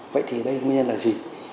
vậy thì đây nguyên nhân là gì